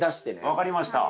分かりました。